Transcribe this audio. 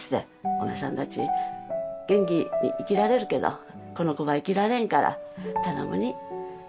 「お前さんたちは元気に生きられるけどこの子は生きられんから頼むに」